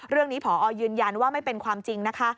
เรื่องนี้พอยืนยันว่าไม่เป็นความจริงนะคะ